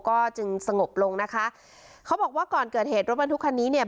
ก็จึงสงบลงนะคะเขาบอกว่าก่อนเกิดเหตุรถบรรทุกคันนี้เนี่ย